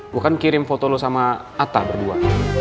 gue kan kirim foto lo sama atta berdua